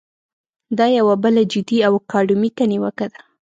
دا یوه بله جدي او اکاډمیکه نیوکه ده.